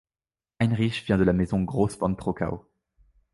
Heinrich vient de la maison Groß von Trockau.